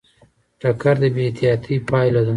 ټکر د بې احتیاطۍ پایله ده.